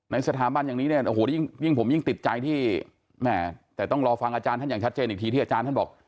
ในสถาบันอย่างนี้อีกผมยิ่งติดใจที่แหม่ะแต่ต้องรอฟังอาจารย์ให้อย่างชัดเจนอีกทีที่อาจารย์บอก